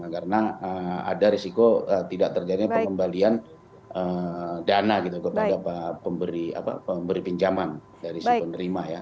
karena ada risiko tidak terjadinya pembalian dana gitu kepada pemberi pinjaman dari si penerima ya